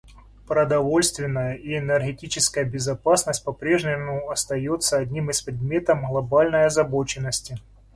Продовольственная и энергетическая безопасность по-прежнему остается одним из предметов глобальной озабоченности.